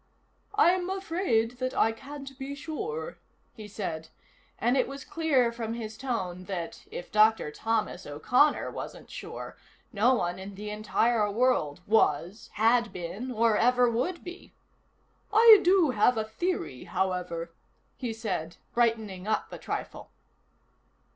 "I'm afraid that I can't be sure," he said, and it was clear from his tone that, if Dr. Thomas O'Connor wasn't sure, no one in the entire world was, had been, or ever would be. "I do have a theory, however," he said, brightening up a trifle.